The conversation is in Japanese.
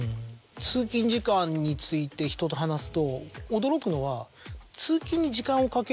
通勤時間についてひとと話すと驚くのは通勤に。